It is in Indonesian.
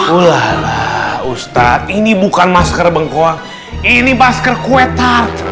ulah ustadz ini bukan masker bengkuang ini masker kue tart